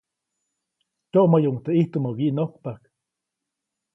Tyoʼmäyuʼuŋ teʼ ʼijtumä wyiʼnojkpajk.